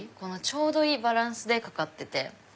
ちょうどいいバランスでかかってて。